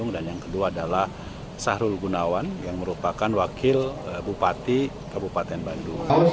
dan yang kedua adalah sahrul gunawan yang merupakan wakil bupati kabupaten bandung